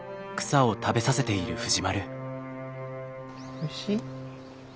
おいしい？